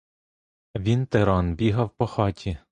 А він, тиран, бігав по хаті.